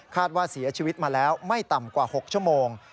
ว่าเสียชีวิตมาแล้วไม่ต่ำกว่า๖ชั่วโมง